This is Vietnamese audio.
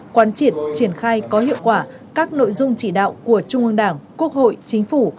quán triệt triển khai có hiệu quả các nội dung chỉ đạo của trung ương đảng quốc hội chính phủ